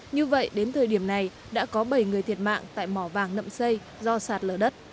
như vậy đến thời điểm này đã có bảy người thiệt mạng tại mỏ vàng nậm xây do sạt lở đất